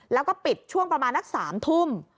แล้วก็ปิดช่วงประมาณนัก๓ทุ่ม